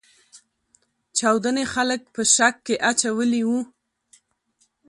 چاودنې خلګ په شک کې اچولي وو.